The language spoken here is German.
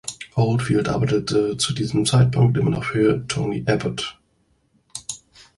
Oldfield arbeitete zu diesem Zeitpunkt immer noch für Tony Abbott.